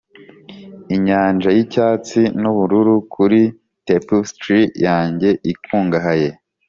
inyanja yicyatsi nubururu kuri tapestry yanjye ikungahaye.